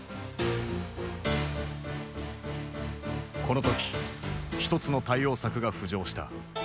この時一つの対応策が浮上した。